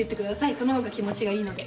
その方が気持ちがいいので。